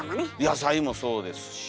野菜もそうですし。